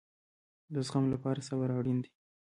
د زغم لپاره صبر اړین دی